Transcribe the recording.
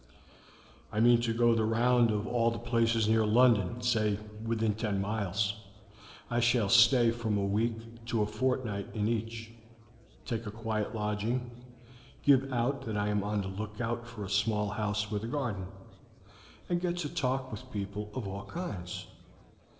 "I mean to go the round of all the places near London say, within ten miles. I shall stay from a week to a fortnight in each, take a quiet lodging, give out that I am on the lookout for a small house with a garden, and get to talk with people of all kinds."